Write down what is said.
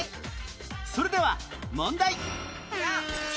それでは問題